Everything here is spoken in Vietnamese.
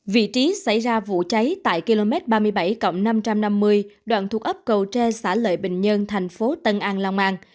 vị trí xảy ra vụ cháy tại km ba mươi bảy năm trăm năm mươi đoạn thuộc ấp cầu tre xã lợi bình nhơn thành phố tân an long an